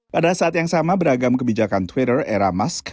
pada saat yang sama beragam kebijakan twitter era mask